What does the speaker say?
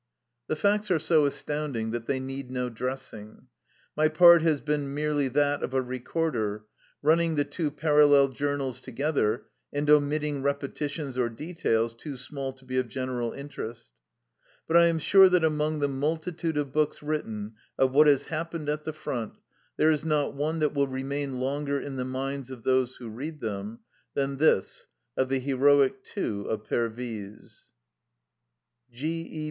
The facts are so astounding that they need no dressing. My part has been merely that of a recorder, running the two parallel journals together and omitting repetitions or details too small to be of general interest. But I am sure that among the multitude of books written of what has hap pened at the front there is not one that will remain longer in the minds of those who read them than this of the heroic Two of Pervyse. G. E.